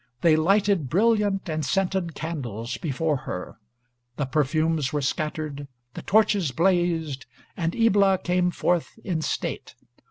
They lighted brilliant and scented candles before her the perfumes were scattered the torches blazed and Ibla came forth in state.